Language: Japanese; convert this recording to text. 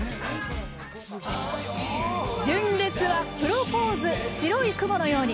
純烈は「プロポーズ白い雲のように」。